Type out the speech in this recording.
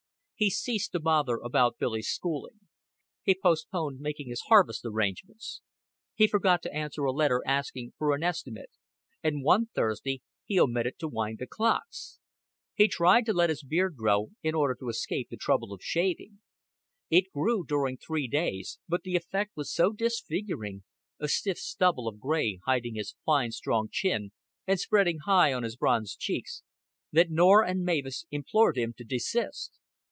He ceased to bother about Billy's schooling. He postponed making his harvest arrangements; he forgot to answer a letter asking for an estimate, and one Thursday he omitted to wind the clocks. He tried to let his beard grow, in order to escape the trouble of shaving. It grew during three days; but the effect was so disfiguring a stiff stubble of gray, hiding his fine strong chin, and spreading high on his bronzed cheeks that Norah and Mavis implored him to desist.